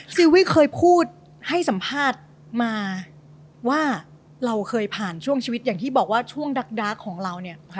ซีรีส์เคยพูดให้สัมภาษณ์มาว่าเราเคยผ่านช่วงชีวิตอย่างที่บอกว่าช่วงดักของเราเนี่ย